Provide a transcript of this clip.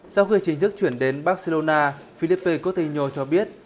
sau khi chính thức chuyển đến barcelona filipe coutinho cho biết